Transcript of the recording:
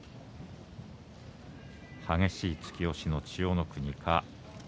激しい突き押しの千代の国。